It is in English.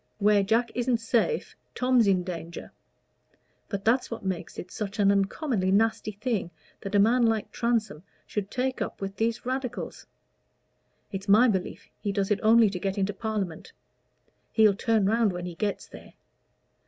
Where Jack isn't safe, Tom's in danger. But that's what makes it such an uncommonly nasty thing that a man like Transome should take up with these Radicals. It's my belief he does it only to get into Parliament; he'll turn round when he gets there.